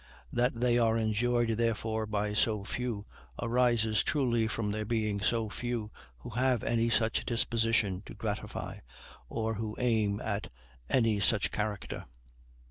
That they are enjoyed therefore by so few arises truly from there being so few who have any such disposition to gratify, or who aim at any such character.